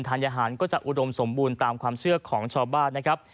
ทานอาหารก็จะอุดมสมบูรณ์ตามความเชื่อของชาวบ้านนะครับ